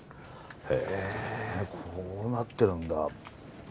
へこうなってるんだ。